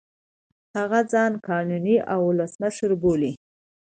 هغه ځان قانوني اولسمشر بولي.